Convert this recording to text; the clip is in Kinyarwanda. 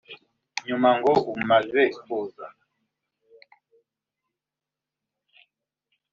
nyuma ngo umaze kuza